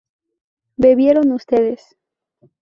¿bebieron ustedes?